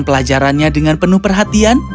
pelajarannya dengan penuh perhatian